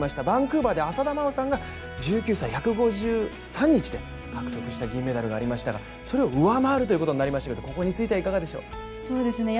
バンクーバーで、浅田真央さんが１９歳、１５３日で獲得した銀メダルがありましたがそれを上回るということになりましたけど、ここについてはいかがでしょう？